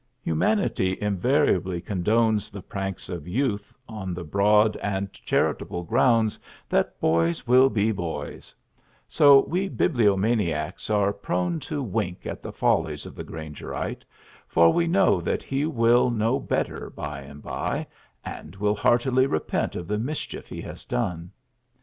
Humanity invariably condones the pranks of youth on the broad and charitable grounds that "boys will be boys"; so we bibliomaniacs are prone to wink at the follies of the Grangerite, for we know that he will know better by and by and will heartily repent of the mischief he has done.